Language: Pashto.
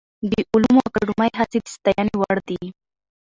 د علومو اکاډمۍ هڅې د ستاینې وړ دي.